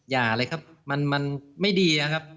อย่าเลยครับมันไม่ดีนะครับ